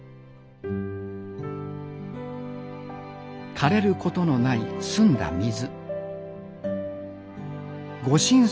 かれることのない澄んだ水。